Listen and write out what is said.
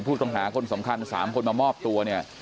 ผู้ต้องหาคนสำคัญ๓คนมามอบตัวเนี่ย